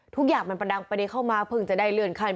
ทุกอย่างมันประเด็นเข้ามาเพิ่งจะได้เลือนครรภ์